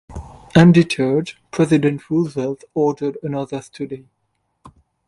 Undeterred, President Roosevelt ordered another study.